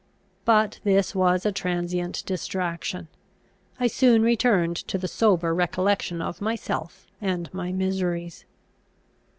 But this was a transient distraction. I soon returned to the sober recollection of myself and my miseries.